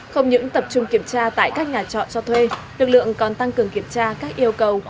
không những tập trung kiểm tra tại các nhà trọ cho thuê lực lượng còn tăng cường kiểm tra các yêu cầu